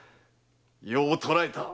よう捕らえた。